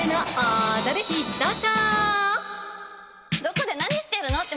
どこで何してるの？って。